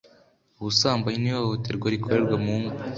Ubusambanyi n ihohoterwa rikorerwa mu ngo